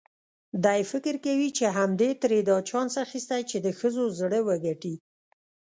دی فکر کوي چې همدې ترې دا چانس اخیستی چې د ښځو زړه وګټي.